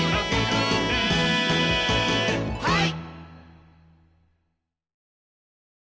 はい！